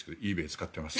使ってます。